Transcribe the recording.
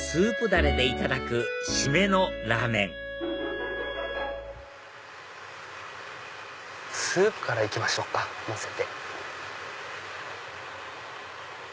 だれでいただく締めのラーメンスープから行きましょうか混ぜて。